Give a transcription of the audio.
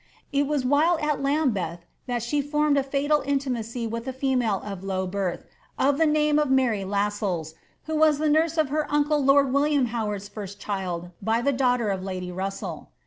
It was while at Lambeth that she formed a fatal intimacy with a female of low birth, of the name of Mary Lassells, who was the nurse of her uncle lord William Howard's first child, by the daughter of lady Russell.'